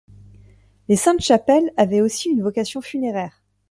Les Saintes-Chapelles avaient aussi une vocation funéraire.